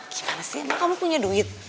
gimana sih emang kamu punya duit